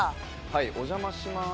はいお邪魔します。